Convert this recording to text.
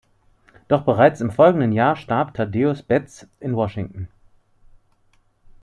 Doch bereits im folgenden Jahr starb Thaddeus Betts in Washington.